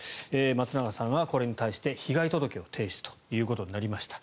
松永さんはこれに対して被害届を提出ということになりました。